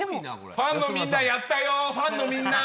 ファンのみんな、やったよ、ファンのみんなー！